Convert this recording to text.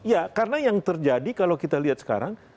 ya karena yang terjadi kalau kita lihat sekarang